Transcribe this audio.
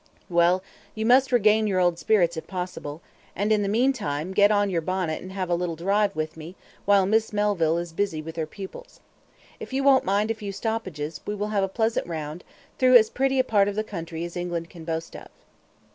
"Well, you must regain your old spirits, if possible; and in the meantime, get on your bonnet and have a little drive with me while Miss Melville is busy with her pupils. If you won't mind a few stoppages, we will have a pleasant round, through as pretty a part of the country as England can boast of."